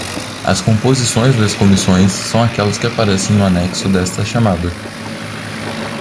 As composições das comissões são aquelas que aparecem no anexo desta chamada.